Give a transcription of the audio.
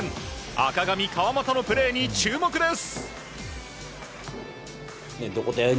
赤髪、川真田のプレーに注目です。